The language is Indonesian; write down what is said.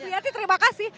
ibu yati terima kasih